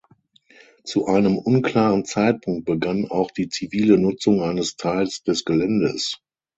Zu einem unklaren Zeitpunkt begann auch die zivile Nutzung eines Teils des Geländes.